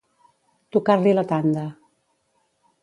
Tocar-li la tanda.